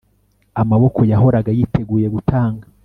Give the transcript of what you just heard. Amaboko yahoraga yiteguye gutanga